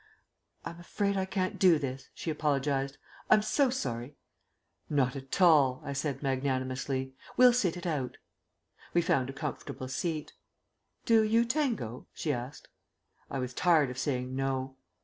"I'm afraid I can't do this," she apologised. "I'm so sorry." "Not at all," I said magnanimously. "We'll sit it out." We found a comfortable seat. "Do you tango?" she asked. I was tired of saying "No."